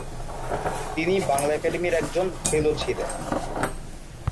তিনি বাংলা একাডেমির একজন ফেলো ছিলেন।